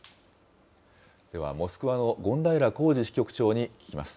では、モスクワの権平恒志支局長に聞きます。